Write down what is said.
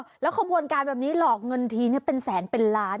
แล้วขบวนการแบบนี้หลอกเงินทีเป็นแสนเป็นล้าน